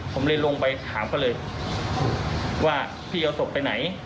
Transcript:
ผมเลยลงไปถามเขาเลยว่าพี่เอาศพไปไหน